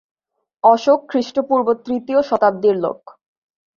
অশোক খ্রীষ্টপূর্ব তৃতীয় শতাব্দীর লোক।